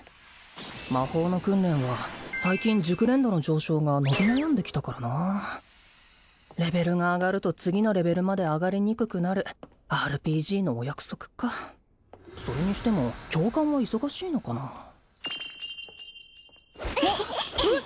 魔法の訓練は最近熟練度の上昇が伸び悩んできたからなレベルが上がると次のレベルまで上がりにくくなるＲＰＧのお約束かそれにしても教官は忙しいのかなわっえっ？